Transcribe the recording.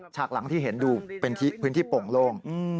ฉากหลังที่เห็นดูเป็นพื้นที่โป่งโล่ง